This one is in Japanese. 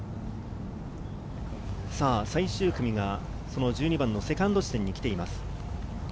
最終組が１２番のセカンド地点に来ています。